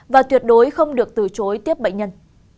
và tuyệt đối không được từ chối tiếp bệnh nhân